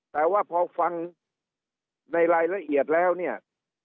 แต่ว่าพอฟังในรายละเอียดแล้วเนี่ย